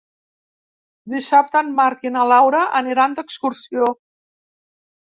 Dissabte en Marc i na Laura aniran d'excursió.